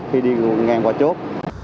khi đi ngang qua chốt